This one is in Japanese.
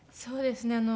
そうですね。